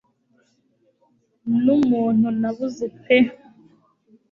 Numuntu nabuze pe